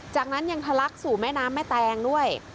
จากนั้นยังทะลักสู่แม่น้ำแม่แตงด้วย